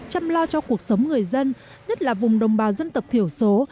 chăm lo cho cuộc sống người dân nhất là vùng đồng bào dân tộc thiểu số